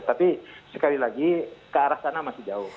tapi sekali lagi ke arah sana masih jauh